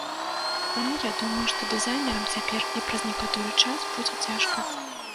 Таму я думаю, што дызайнерам цяпер і праз некаторы час будзе цяжка.